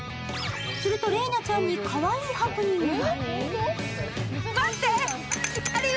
すると麗菜ちゃんにかわいいハプニングが。